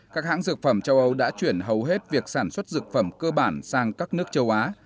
các hãng dược phẩm châu âu đã chuyển hầu hết việc sản xuất dược phẩm cơ bản sang các nước châu á